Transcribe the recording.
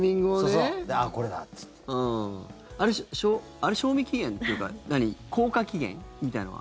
あれ、賞味期限というか効果期限みたいなのは？